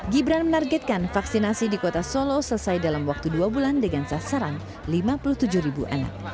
gibran menargetkan vaksinasi di kota solo selesai dalam waktu dua bulan dengan sasaran lima puluh tujuh ribu anak